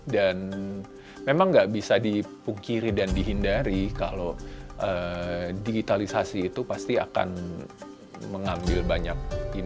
dan memang nggak bisa dipungkiri dan dihindari kalau digitalisasi itu pasti akan mengambil banyak